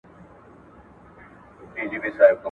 کوچۍ د بوټو دروند پېټي ته اړم وه.